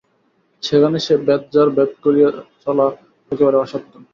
সেখানে সে বেতঝাড় ভেদ করিয়া চলা একেবারে অসাধ্য।